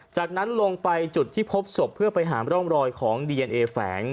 จากนั้นลงไปจุดที่พบศพเพื่อไปหาร่องรอยของดีเอนเอแฝง